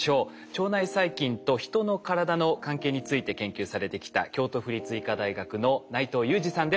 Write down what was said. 腸内細菌と人の体の関係について研究されてきた京都府立医科大学の内藤裕二さんです。